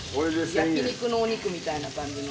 焼肉のお肉みたいな感じの。